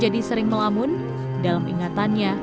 aduh sepenuhnya berharap